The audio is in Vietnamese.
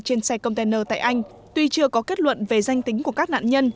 trên xe container tại anh tuy chưa có kết luận về danh tính của các nạn nhân